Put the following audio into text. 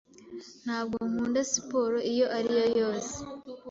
Ntabwo nkunda siporo iyo ari yo yose.